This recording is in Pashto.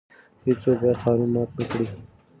هیڅوک باید قانون مات نه کړي.